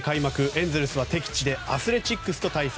エンゼルスは敵地でアスレチックスと対戦。